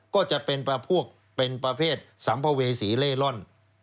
ก็จะเป็นพวกเป็นประเภทสัมภเวษีเล่ร่อน